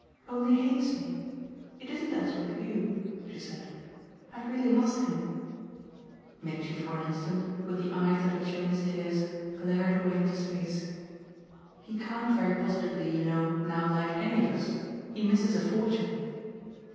"Only hates me. It isn't as with you," she said. "I've really lost him." Mitchy for an instant, with the eyes that had shown his tears, glared away into space. "He can't very positively, you know, now like ANY of us. He misses a fortune."